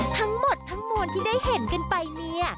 ทั้งหมดทั้งมวลที่ได้เห็นกันไปเนี่ย